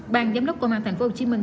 bàn giám đốc công an thành phố hồ chí minh